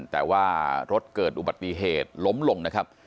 แต่ว่ารถเกิดอุบัติเหตุล้มลงนะครับ